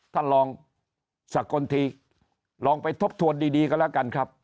ท่านลองสกลทีลองไปทบทวนดีกันแล้วกันครับ